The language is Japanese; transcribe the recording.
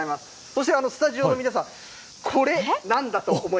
そしてスタジオの皆さん、これ、何？